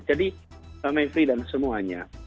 jadi pak maifri dan semuanya